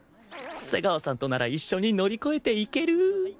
瀬川さんとなら一緒に乗り越えていける！